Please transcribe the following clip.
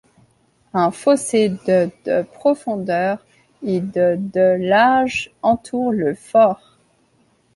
Un fossé de de profondeur et de de large entoure le fort.